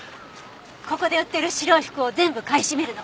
ここで売っている白い服を全部買い占めるの。